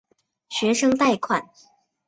学生贷款。